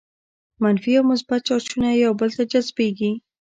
منفي او مثبت چارجونه یو بل ته جذبیږي.